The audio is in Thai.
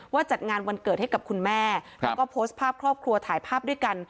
จัดงานวันเกิดให้กับคุณแม่แล้วก็โพสต์ภาพครอบครัวถ่ายภาพด้วยกัน